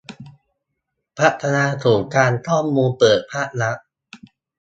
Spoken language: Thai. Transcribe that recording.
พัฒนาศูนย์กลางข้อมูลเปิดภาครัฐ